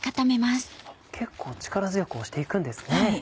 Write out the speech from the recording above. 結構力強く押していくんですね。